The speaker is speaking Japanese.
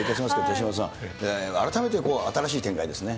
手嶋さん、改めて新しい展開ですね。